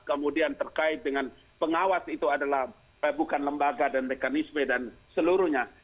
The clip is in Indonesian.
kemudian terkait dengan pengawas itu adalah bukan lembaga dan mekanisme dan seluruhnya